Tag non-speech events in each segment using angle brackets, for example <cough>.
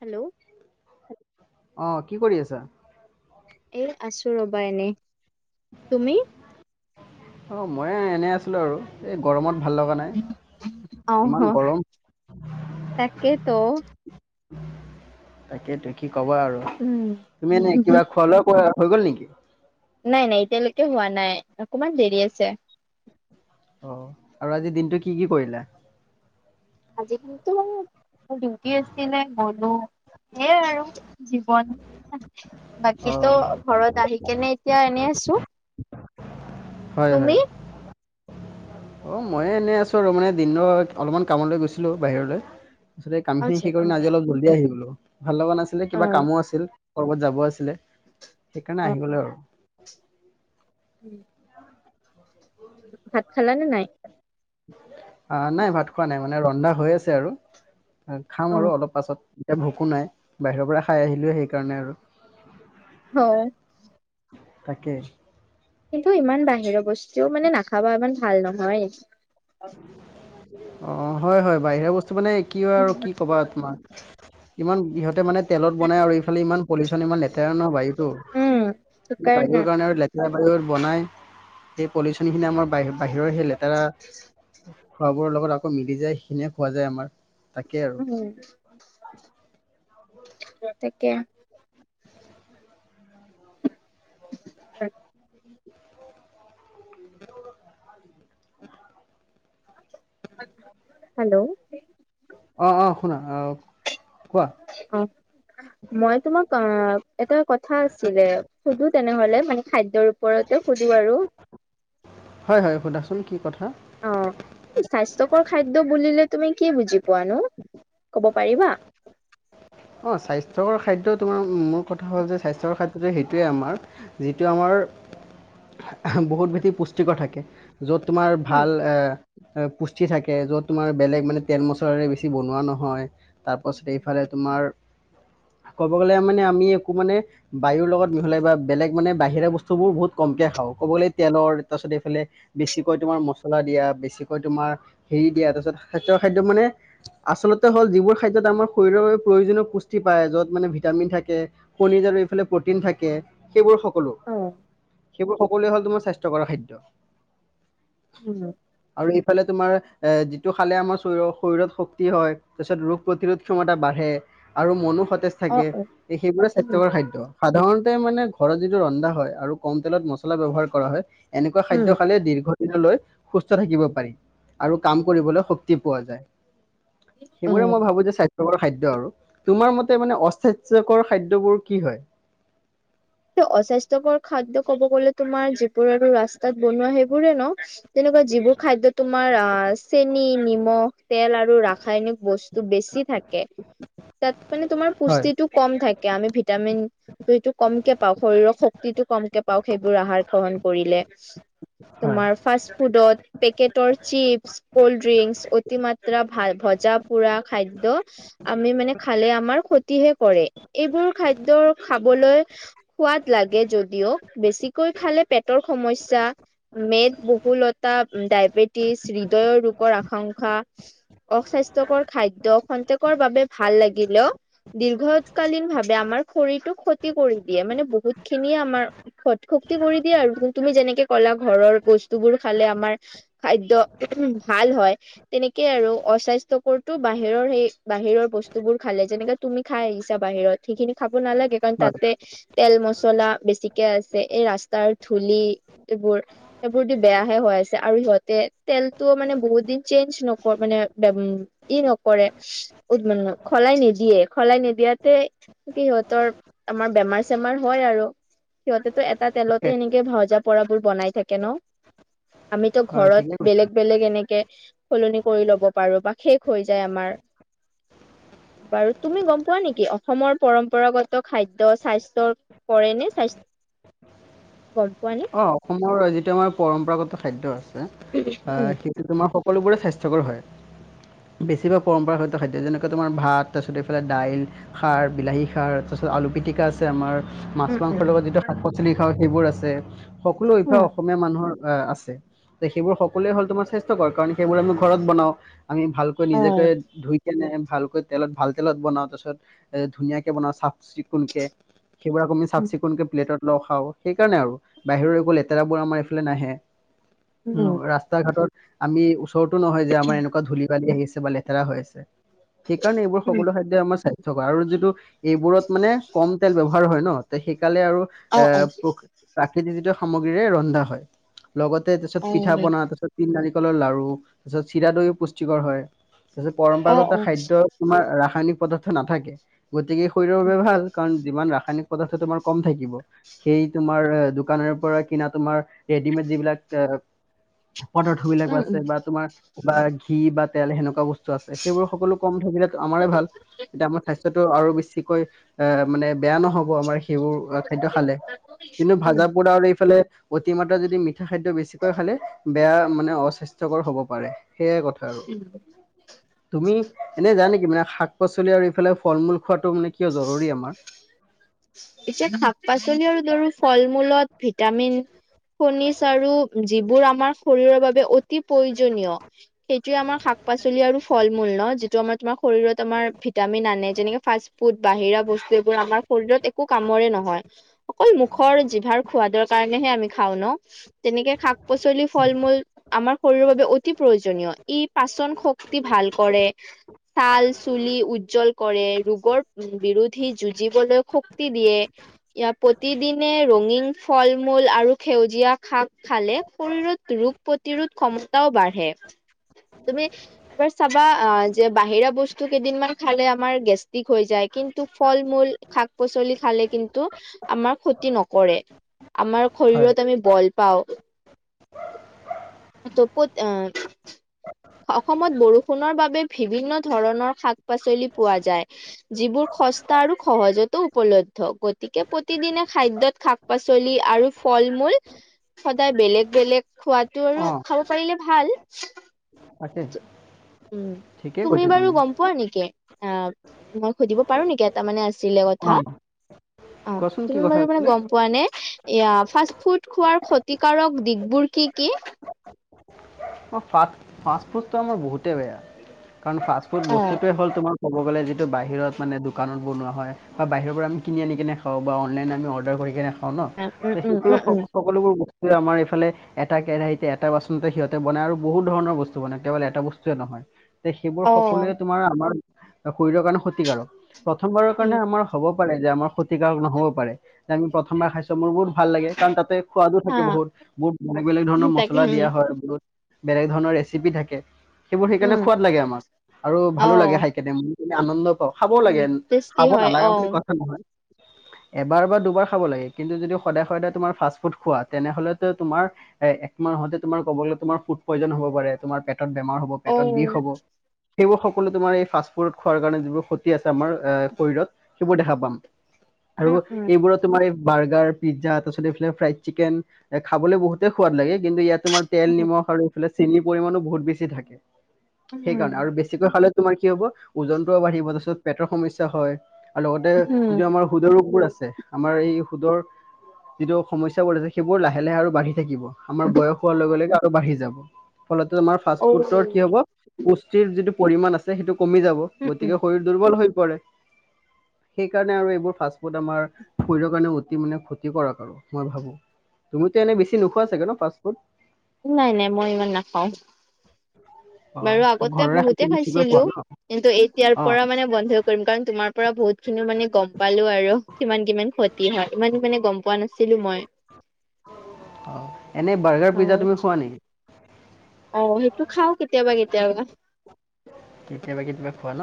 Hello. অ কি কৰি আছা? এ আছো ৰবা এনে তুমি? অ মইে এনে আছিলো আৰু এই গৰমত। ভাল লগা নাই অ ইমান গৰম। ত। তাকেইেতো কি কবা আৰু উম তুমি এনে কিবা খোৱালেও কৰা। হৈ গ'ল নেকি? নাই নাই এতিয়ালৈকে হোৱা নাই অকমান দেৰি আছে। অ আৰু আজি দিনটো কি কি কৰিলা? আজি কালো মোৰ ডিউটি আছিল নাই গলো। সেইয়া আৰু জীৱন। বাকী অঁ তো ঘৰত আহি কেনে এতিয়া এনে আছো। হয় তুমি হয় অ মইয়ে এনেই আছো আৰু মানে দিন অলপমান কামলৈ গৈছিলো বাহিৰলৈ। এই কাম খিনি আচ্ছা সেই অ কৰি আজ অপ জল্ডদি আহি গলো ভাল লগা নাছিলে অ কিবা কামো আছিল ক'ৰবাত যাব আছিল। সেইকাৰণে অ অ আহি গলে আৰু <unintelligible> ভাত খাল নে নাই? আহ নাই ভাত খোৱা নাই মানে ৰন্ধা হৈ আছে আৰু অ খাম আৰু অলপ পাছত এতিয়া ভোকো নাই বাহিৰৰ পৰা খাই আহিলো সেইকাৰণে আৰু। হয়। তাকে। কিন্তু ইমান বাহিৰৰ বস্তুও মানে নাখাবা ইমান ভাল নহয়। অ, হয় - হয় বাহিৰা বস্তু মানে কি হয় আৰু উম কি ক'বা তোমাৰ ইমান ইহতে মানে তেলত বনাই আৰু ইফালে ইমান পলিচন ইমান লেতেৰা নহয় বায়ুতো উম, সেইকাৰণে বায়ুৰ কাৰণে আৰু লেতেৰা বায়ু বনাই সেই পলিচন খিনি আমাৰ বাহিৰৰ সেই লেতেৰা খোৱ বোৰৰ লগত আকৌ মিলি যায় সেইখিনিয়ে খোৱা যায় আমাৰ। তাকে আৰু উম, তাকে। <unintelligible> <inaudible> হেল্লো', অ - অ শুনা আহ, অ, মই তোমাক অ, এটা কথা আছিলে সুধো তেনেহলে মানে খাদ্যৰ ওপৰতে সুধো আৰু। হয় - হয় সুধাচোন কি কথা। অ স্বাস্থ্যকৰ খাদ্য বুলিলে তুমি কি বুজি পোৱা নো? কব পাৰিবা। অ, স্বাস্থ্যৰ খাদ্য তোমাৰ মূল কথা হ'ল যে স্বাস্থ্যৰ খাদ্যটো সেইটোৱেই আমাৰ যিটো আমাৰ বহুত ভেছি পুষ্টিকৰ থাকে য'ত তোমাৰ উম ভাল এ পুষ্টি থাকে য'ত তোমাৰ বেলেগ মানে তেল মচলৰে বেছি বনোৱা নহয়। তাৰপাছত এইফালে তোমাৰ ক'ব গ'লে মানে আমি একো মানে বায়ুৰ লগত মিহলাই বা বেলেগ মানে বাহিৰা বস্তু বোৰ বহুত কমকে খাও ক'বলৈ তেলৰ তাৰপাছত এইফালে বেছিকৈ তোমাৰ মছলা দিয়া বেছিকৈ তোমাৰ হেৰি দিয়া তাৰপিছত খাদ্য খাদ্য মানে আচলতে হ'ল যিবোৰ খাদ্যত আমাৰ শৰীৰৰ বাবে প্ৰয়োজনীয়। পুষ্টি পায় য'ত মানে ভিটামিন থাকে কণী আৰু এইফালে প্ৰটিন থাকে সেইবোৰ সকলো অ সেইবোৰ সকলোৱে হ'ল তোমাৰ স্বাস্থ্যকৰ খাদ্য। উম আৰু এইফালে তোমাৰ এ যিটো খালে আমাৰ শৰৰ শৰীৰত শক্তি হয় তাৰপিছত ৰোগ প্ৰতিৰোধ ক্ষমতা বাঢ়ে। আৰু মনো সতেজ অ থাকে অ সেইবোৰে উম স্বাস্থ্যকৰ খাদ্য সাধাৰণ মানে ঘৰত যিটো ৰন্ধা হয় আৰু কম তেলত মছলা ব্যৱহাৰ কৰা হয় এনেকুৱা উম খাদ্য খালে দীৰ্ঘ লৈ সুস্থ থাকিব পাৰি আৰু কাম কৰিবলৈ শক্তি পোৱা যায়। সেইবোৰে উম মই ভাবো যে স্বাস্থ্যকৰ খাদ্য আৰু তোমাৰ মতে মানে অস্বাস্থ্যকৰ খাদ্যবোৰ কি হয়। অস্বাস্থ্যকৰ খাদ্য ক'ব গ'লে তোমাৰ যিবোৰ আৰু ৰাস্তাত বনোৱা সেইবোৰে ন তেনে যিবোৰ খাদ্য তোমাৰ অ, চেনি নিমখ তেল আৰু ৰাসায়নিক বস্তু বেছি থাকে তাত মানে তোমাৰ হয় পুষ্টিটো কম থাকে। আমি ভিটামিনটো কমকে পাও শৰীৰৰ শক্তিটো কমকে পাও সেইবোৰ আহাৰ গ্ৰহণ কৰিলে। হয় তোমাৰ ফাষ্ট ফুডোট পেকটৰ চিপছ ক'ল্ড ড্ৰিংকস অতিমাত্ৰা ভ ভজা পোৰা খাদ্য আমি মানে খালে আমাৰ ক্ষতিহে কৰে এইবোৰ খাদ্য খাবলৈ সোৱাদ লাগে যদিও বেছিকৈ খালে পেটৰ সমস্যা। মেদ বহুলতা ডায়বেটিছ হৃদয়ৰ ৰোগৰ আকাংক্ষা অস্বাস্থ্যকৰ খাদ্য খন্তেকৰ বাবে ভাল লাগে। দিলেও দীৰ্ঘকালীন ভাৱে আমাৰ শৰীৰটো ক্ষতি কৰি। দিয়ে মানে বহুত খিনিয়ে আমাৰ সৎ শক্তি কৰি দিয়ে আৰু তুমি যেনেকে ক'লা ঘৰৰ বস্তু বোৰ খালে আমাৰ খাদ্য ভাল হয় তেনেকে আৰু অস্বাস্থ্যকৰতো বাহিৰৰ সেই বাহিৰৰ বস্তু বোৰ খালে যেনেকে তুমি খাই আহিছা বাহিৰত সেইখিনি খাব নালাগে কাৰণ হয় তাতে তেল মচলা বেছিকে আছে এই ৰাস্তাৰ ধূলি এইবোৰ এইবোৰ দি বেয়াহে আছে আৰু সিহতে তেলতটো মানে বহুত দিন চেঞ্জ নক মানে ই নকৰে। উম, খলাই নিদিয়ে খলাই নিদিয়াতে কি সহতৰ আমাৰ বেমাৰ চেমাৰ হয় আৰু। সিহতেতো এটা তেলতে ঠিকে এনেকে ভওজা পৰা বোৰ বনাই থাকে ন। আমিতো হয় ঘৰত ঠিকে কৈছে বেলেগ বেলেগ এনেকে সলনি কৰি ল'ব পাৰো বা শেষ হৈ যায় আমাৰ বাৰু তুমি গম পোৱা নেকি অসমৰ পৰম্পৰাগত খাদ্য স্বাস্থ্য কৰে নে স্বাস্থ গম পোৱা নে? অ অসমৰ যিটো আমাৰ পৰম্পৰাগত খাদ্য আছে অ উম সেইটো তোমাৰ সকলোবোৰে স্বাস্থ্যকৰ হয় বেছিভাগ পৰম্পৰাগত খাদ্য যেনেকে তোমাৰ ভাত তাৰপিছত এইফালে দাইল খাৰ বিলাহী খাৰ তাৰছত আলু পিটিকা আছে আমাৰ মাছ উম মাংসৰ লগত যিটো শাক উম পাচলি খাওঁ সেইবোৰ আছে সকলো ইফে উম অসমীয়া মানুহ নুহৰ আছে সেইবোৰ সকলোৱে হ'ল তোমাৰ স্বাস্থ্্যকৰ কাৰণ সেইবোৰ আমি ঘৰত বনাও আমি ভালকৈ অ নিজকে ধুই কেনে ভালকৈ তেলত ভাল তেলত বনাওঁ তাৰপিছত ধুনীয়াকৈ বনাওঁ চাফ চিকুণকৈ সেইবোৰ আমি চাফ উম চিকুণকে প্লেটত লগ খাওঁ সেইকাৰণে আৰু বাহিৰত একো লেতেৰাবোৰ আমাৰ এইফালে নাহে উ উম ৰাস্তা ঘাটত আমি টো নহয় যে আমাৰ এনেকুৱা ধূলি বালি আহিছে বা লেতেৰা হৈ আছে সেইকাৰণে এইবোৰ উম সকলো খাদ্যই আমাৰ সাচ থকা আৰু যিটো এইবোৰত মানে কম তেল ব্যৱহাৰ হয় ন সেই সালে আৰু অ এ অ প্ৰ প্ৰাকৃতিজিত সামগ্ৰীৰে ৰন্ধা হয় লগতে তাৰপিছত অ পিঠা বনা তাৰপিছত তিল নাৰিকলৰ লাৰ়ু তাৰ পিছত চিৰা দৈও পুষ্টিকৰ হয় তাৰপিছত পৰম্পৰাগত খাদ্য আমাৰ ৰাসায়নিক পদাৰ্থ নাথাকে গতিকে শৰীৰৰ বাবে ভাল কাৰণ যিমান ৰাসায়নিক পদাৰ্থ তোমাৰ কম থাকিব সেইটো তোমাৰ দোকানৰ পৰা কিনা তোমাৰ ৰেডিমেড যিবিলাক পদাৰ্থ বিলাক আছে বা তোমাৰ বা ঘি বা তেল সেনেকুৱা বস্তু আছে সেইবোৰ সকলো কম থাকিলে আমাৰে ভাল তেতিয়া আমাৰ স্বাস্থ্যটো আৰু বেছিকৈ এ মানে বেয়া নহব আমাৰ সেইবোৰ খাদ্য খালে কিন্তু ভাজা পুৰা আৰু এইফালে অতিমাত্ৰা যদি মিঠা খাদ্য বেছিকৈ খালে বেয়া মানে অস্বাস্থ্যকৰ হব পাৰে সেইয়াই কথা আৰু তুমি এনে জানে কি মানে শাক পাচলি আৰু ইফালে ফল মূল খোৱাটো মানে কিয় জৰুৰী আমাৰ এতিয়া শাক পাচলি আৰু দৰো ফল মূলত ভিটামিন খনিচ আৰু যিবোৰ আমাৰ শৰীৰৰ বাবে অতি প্ৰয়োজনীয় সেইটোয়ে আমাৰ শাক পাচলি আৰু ফল মূল ন যিটো আমাৰ আমাৰ শৰীৰত আমাৰ ভিটামিন আনে যেনেকে ফাষ্ট ফুড বাহিৰা বস্তু এইবোৰ আমাৰ শৰীৰত একো কামৰে নহয় অকল মুখৰ জিভাৰ খোৱাদৰ কাৰণে হে আমি খাওঁ ন তেনেকে শাক পাচলি ফল মূল আমাৰ শৰীৰৰ বাবে অতি প্ৰয়োজনীয় ই পাচন শক্তি ভাল ভাল কৰে ছাল চুলি উজ্জ্বল কৰে ৰোগৰ বিৰোধী যুঁজিবলৈ শক্তি দিয়ে ইয়াৰ প্ৰতিদিনে ৰঙীন ফল মূল আৰু সেউজীয়া শাক খালে শৰীৰত ৰোগ প্ৰতিৰোধ ক্ষমতাও বাঢ়ে তুমি এবাৰ চাবা অ যে বাহিৰা বস্তু কেইদিনমান খালে আমাৰ গেষ্টিক হৈ যায় কিন্তু ফল মূল শাক পাচলি খালে কিন্তু আমাৰ ক্ষতি নকৰে আমাৰ হয় শৰীৰত আমি বল পাওঁ ত পত আহ অসমত বৰষুণৰ বাবে বিভিন্ন ধৰণৰ শাক পাচলি পোৱা যায় যিবোৰ সস্তা আৰু সহজতেো উপলব্ধ গতিকে প্ৰতিদিনে খাদ্যত শাক পাচলি আৰু ফল মূল সদায় বেলেগ বেলেগ খোৱাটো অ আৰু খাব পাৰিলে ভাল তাকে উম ঠিকেই তুমি কৈছা বাৰু গম পোৱা নেকি অ মই সুধিব পাৰো নেকি এটা মানে আ ছিলে অ কথা অ কোৱাচোন কি তুমি কথা বাৰ মানে আছিলে গম পোৱা নে এয়া ফাষ্ট ফুড খোৱাৰ ক্ষতিকাৰক দিশবোৰ কি কি ফাষ্ট ফাষ্টফুডটো আমাৰ বহুতেই বেয়া কাৰণ ফাষ্টফুড অ বস্তুটোৱে হ'ল তোমাৰ ক'ব গ'লে যিটো বাহিৰত মানে দোকানত বনোৱা হয় বা বাহিৰৰ পৰা আমি কিনি আনি কেনে খাওঁ বা অনলাইন আমি অৰ্ডাৰ কৰি কিনে খাওঁ অ ন উম সেই উম উম উম সকলোবোৰ আমাৰ এইফালে এটা কেৰাহিতে এটা বাচনতে সিহঁতে বনায় আৰু বহুত ধৰণৰ বস্তু মানে কেৱল এটা বস্তুয়ে নহয় তে সেইবোৰ অ সকলোৱে তোমাৰ আমাৰ কৰিৰ কাৰণে ক্ষতিকাৰকঁ প্ৰথমবাৰৰ কাৰণে উম আমাৰ হ'ব পাৰে যে আমাৰ ক্ষতিকাৰক নহব পাৰে যে আমি প্ৰথমবাৰ খাইছো মোৰ বহুত ভাল লাগে কাৰণ তাতে সোৱাদো হা থাকে বহুত বহুত বেলেগ বেলেগ ধৰণৰ তাকে মছলা দিয়া উম হয় বহুত। বেলেগ ধৰণৰ ৰেচিপি থাকে সেইবোৰ সেইকাৰণে উম খোৱাদ লাগে আমাক আৰু ভালো লাগে খাই কেনে ম আনন্দ পাওঁ খাবও লাগে খাব হয় নালাগা বুলি কথা নহয় <unintelligible> এবাৰ বা দুবাৰ খাব লাগে কিন্তু যদি সদায় সদায় তোমাৰ ফাষ্ট ফুড খোৱা তেনেহলেতো তোমাৰ এ তোমাৰ হহতে তোমাৰ কব গ'লে তোমাৰ ফুড পয়জন হব পাৰে তোমাৰ পেটত বেম হব পেটত বিষ হ'ব। সেইবোৰ সকলো তোমাৰ এই ফাষ্ট ফুডত খোৱাৰ কাৰণে যিবোৰ ক্ষতি আছে আমাৰ এ শৰীৰত সেইবোৰ দেখা পাম। আৰু এইবোৰত তোমাৰ এই বাৰ্গাৰ পিজ্জা তাৰ পিছত এইফালে ফ্ৰাইড চিকেন খাবলৈ বহুতে সোৱাদ লাগে কিন্তু ইয়াত তোমাৰ তেল নিমখ আৰু চেনিৰ পৰিমণো বহুত বেছি থাকে সেইকাৰণে আৰু বেছিকৈ খাল তোমাৰ কি হ'ব ওজনটোোও বাঢ়িব তাৰ পিছত পেটৰ সমস্যা হয়। আৰু লগতে যিটো আমাৰ সুদৰপুৰ আছে। আমাৰ এই সুদৰ যিটো সমস্যাবোৰ আছে সেইবোৰ লাহে লাহে আৰু বাঢ়ি থাকিব। আমাৰ বয়স হোৱাৰ লগে লগে আৰু বাঢ়ি যাব ফলতে আমাৰ ফাষ্ট ফুডৰ কি হব। পুষ্টিৰ যিটো পৰিমণ আছে সেইটো কমি যাব গতিকে শৰীৰ দুৰ্বল হৈ পৰে। সেই কাৰণে আৰু এইবোৰ ফা ফুড আমাৰ শৰীৰৰ কাৰণে অতি মানে ক্ষতি কৰক আৰু মই ভাবো। তুমিতো এনে বেছি নোখোৱা চাগে ন ফাষ্ট ফুড? নাই নাই মই ইমান নাখাওঁ। অ বাৰু আগতে ঘৰৰে খাই বহুতে বেছিকৈ খোৱা খাইছিলো ন কিন্তু এতিয়াৰ অ পৰা মানে বন্ধ কৰিম কাৰণ তোমাৰ পৰা বহুত সুত খিনি মানে গম পালো আৰু কিমান কিমান ক্ষতি হয় ইমান মানে গম পোৱা নাছিলো মই। অ এনে বাৰ্গাৰ পিজ্জা তুমি খোৱা নি? অঁ, সেইটো খাও কেতিয়াবা কেতিয়াবা। কেতিয়াবা কেতিয়াবা খোৱা ন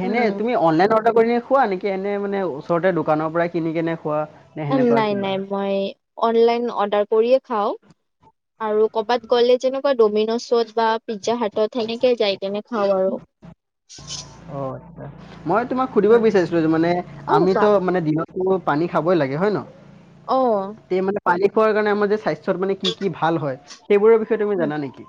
সেনে উম তুমি অনলাইন। কৰি খোৱা নেকি এনে মানে ওচৰতে দোকানৰ পৰাই কিনি কেনে খোৱা। নে সেনেকুৱা নাই কিবা? নাই মই অনলাইন অৰ্ডাৰ কৰিয়ে খাওঁ। <inaudible> আৰু কৰ'বাত গ'লে যেনেকুৱা ডমিন'ছত বা পিজ্জা হাতত সেনেকে যায় কেনে খাওঁ আৰু। অ মই তোমাক সুধিব উম, বিচাৰিছিলো মানে অ কোৱা আমিতো মানে দিনতো পানী খাবই লাগে হয় নে ন অঁ। তে মানে পানী খোৱাৰ কাৰণে আমাৰ যে স্বাস্থ্যত মানে কি- কি ভাল হয় সেইবোৰৰ বিষয়ে তুমি উম, জানা নেকি?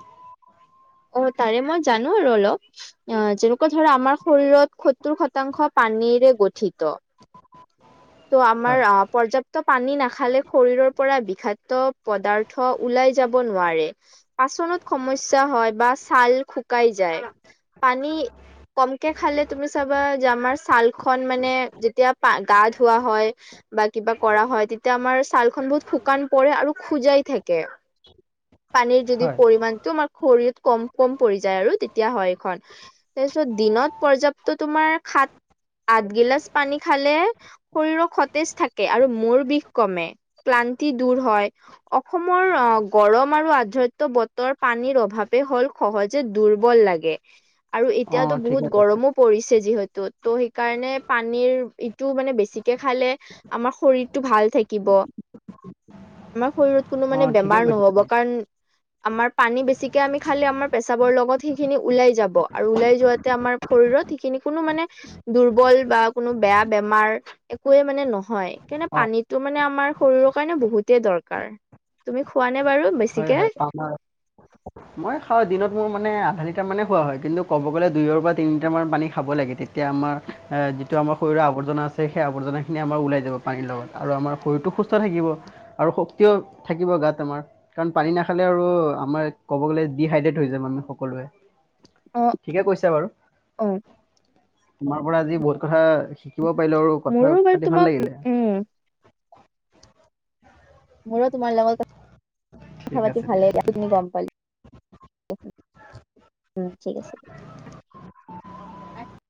অ তাৰে মই জানো আৰু অলপ অ', যেনেকুৱা ধৰা আমাৰ শৰীৰত সত্তৰ শতাংশ পানীৰে গঠিত। ত' আমাৰ হয়, অ পৰ্যাপ্ত পানী নাখালে শৰীৰৰ পৰা ধাতু পদাৰ্থ ওলাই যাব নোৱাৰে, পাচন ত সমস্যা হয় বা ছাল। শুকাই যায়। পানী কমকে খালে তুমি চাবা যে আমাৰ ছাল খন মানে যেতিয়া পা গা ধু থোৱা হয়, বা কিবা কৰা হয় তেতিয়া আমাৰ ছাল খন বহুত শুকান পৰে আৰু খোজাই থাকে, পানীৰ যদি হয়। পৰিমাণটো আমাৰ শৰীৰ কম কম পৰি যায়, আৰু তেতিয়া হয় এইখন তাৰপিছত দিনত পৰ্যয়াপ্ত তোমাৰ খাত আঠ গিলছ পানী খালে। শৰীৰৰ সতেজ থাকে আৰু মুৰ বিষ কমে। ক্লান্তি দূৰ হয় অসমৰ অ', গৰম আৰু আধ্ৰ বতৰ পানীৰ অভাৱে হ'ল সহজে দুৰ্বল লাগে। আৰু অ' এতিয়াতো বহুত ঠিকে কৈছা। গৰমো পৰিছে যিহেতু ত' সেইকাৰণে পানীৰ ইটো মানে বেছি পানী খালে আমাৰ শৰীৰটো ভাল থাকিব। আমাৰ শৰীৰ কোনো মানে অ' ঠিকে বেমাৰ কৈছা নহ'ব তুমি। কাৰণ আমাৰ পানী বেছিকে আমি খালি আমাৰ পেচাবৰ লগত সেইখিনি ওলাই যাব আৰু ওলাই যোৱাতে আমাৰ শৰীৰৰ। সেইখিনি কোনো মানে দুৰ্বল বা কোনো বেয়া বেমাৰ। একোৱে মানে নহয়। কিয়নো অ' পানীটো মানে আমাৰ শৰীৰৰ কাৰণে বহুতেই দৰকাৰ। তুমি খোৱা নাই। হয়-হয় পাম আৰু মই খাও দিনত মোৰ মানে আধা লিটাৰ মানে খোৱা হয়। কিন্তু ক'ব গ'লে দুইয়ৰ পৰা তিনি লিটাৰ মান পানী খাব লাগে। তেতিয়া আমাৰ যিটো আমাৰ শৰীৰৰ আৱৰ্জনা। সেই আৱৰ্জনা খিনি আমাৰ ওলাই যাব। পানীৰ লগত আৰু আমাৰ শৰীৰতটো সুস্থ থাকিব। আৰু শক্তিও থাকিব। গতিকে আমাৰ কাৰণ পানী নাখালে আৰু আমাৰ ক'ব গ'লে ডিহাইড্ৰেট হৈ যায় আমি সকলোৱে। অ ঠিকে কৈছা বাৰু অ তোমাৰ পৰা আজি বহুত কথা শিকিলো। শিকিব পাৰিলো আৰু কথা মোৰো বাৰু পাতি তোমাক ভাল লাগিলে। উম মোৰো তোমাৰ লগল কথা পাতি। কথা ঠিক পাতি আছে দিয়া ভালে লাগিল বহুতো কথা গম পালো। উম, ঠিক আছে দিয়া।